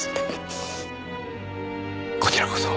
こちらこそ。